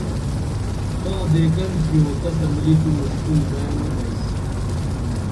تاں دیکن تِھیو تسہ ملی تو مُشکُل بئیں نی بئس